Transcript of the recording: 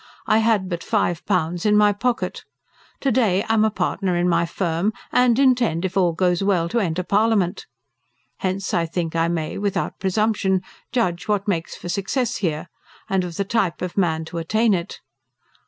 I had but five pounds in my pocket. To day I am a partner in my firm, and intend, if all goes well, to enter parliament. Hence I think I may, without presumption, judge what makes for success here, and of the type of man to attain it.